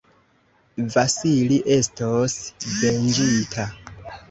Vasili estos venĝita!